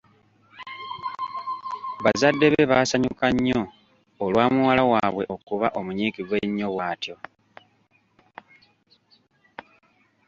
Bazadde be baasanyuka nnyo olwa muwala waabwe okuba omunyiikivu ennyo bwatyo.